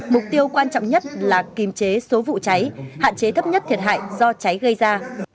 mục tiêu quan trọng nhất là kìm chế số vụ cháy hạn chế thấp nhất thiệt hại do cháy gây ra